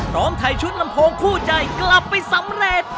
ถ่ายชุดลำโพงคู่ใจกลับไปสำเร็จ